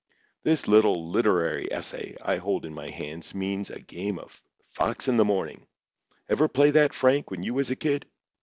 This little literary essay I hold in my hands means a game of Fox in the Morning. Ever play that, Frank, when you was a kid?"